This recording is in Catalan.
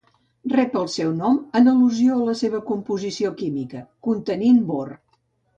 Rep el seu nom en al·lusió a la seva composició química, contenint bor.